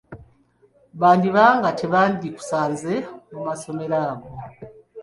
Bandiba nga tebandikusanze mu masomero ago.